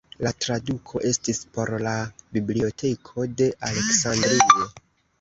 La traduko estis por la Biblioteko de Aleksandrio.